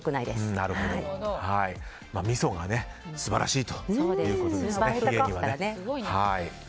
冷えにはみそが素晴らしいということですね。